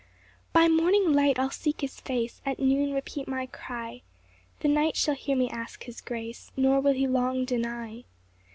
PAUSE. 7 By morning light I'll seek his face, At noon repeat my cry, The night shall hear me ask his grace, Nor will he long deny.